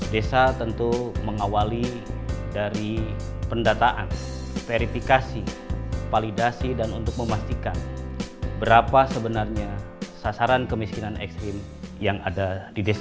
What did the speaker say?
desa tentu mengawali dari pendataan verifikasi validasi dan untuk memastikan berapa sebenarnya sasaran kemiskinan ekstrim yang ada di desa